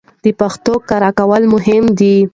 د پښتو کره کول مهم دي